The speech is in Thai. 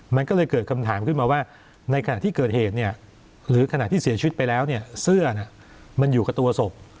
มันก็เลยเกิดคำถามขึ้นมาว่าในขณะที่เกิดเหตุเนี่ยหรือขณะที่เสียชีวิตไปแล้วเนี่ยเสื้อมันอยู่กับตัวศพ